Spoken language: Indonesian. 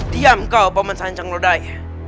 diam kau peman santang rodai